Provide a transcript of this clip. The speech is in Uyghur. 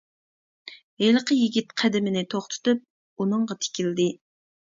ھېلىقى يىگىت قەدىمىنى توختىتىپ، ئۇنىڭغا تىكىلدى.